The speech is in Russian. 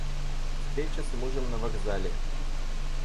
Встреча с мужем на вокзале.